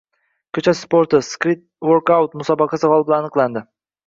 Ko‘cha sporti – “Street workout” musobaqasi g‘oliblari aniqlandi